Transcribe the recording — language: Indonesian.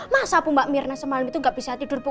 masa bu mbak mirna semalam itu nggak bisa tidur bu